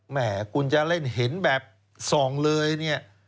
แม่คุณจะเล่นเห็นแบบส่องเลยเนี่ย